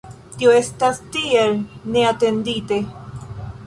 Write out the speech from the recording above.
Tio estas tiel neatendite.